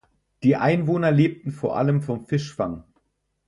Die Einwohner lebten vor allem vom Fischfang.